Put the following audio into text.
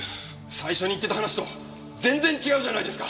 最初に言ってた話と全然違うじゃないですか！